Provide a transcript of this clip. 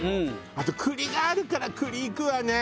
あと栗があるから栗いくわね。